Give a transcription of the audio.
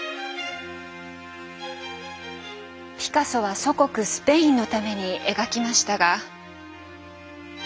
ピカソは祖国スペインのために描きましたが。